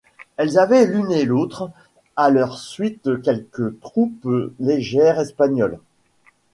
Elles avaient l'une et l'autre à leur suite quelques troupes légères espagnoles.